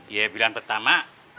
ya pilihan pertama